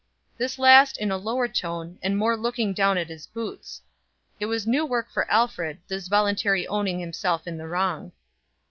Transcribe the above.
This last in a lower tone, and more looking down at his boots. It was new work for Alfred, this voluntarily owning himself in the wrong.